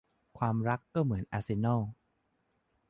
ความรักก็เหมือนอาร์เซนอล